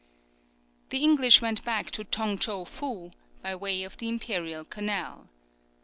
The English went back to Tong Chou Fou by way of the imperial canal.